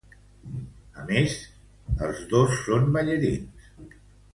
A més, els dos són ballarins.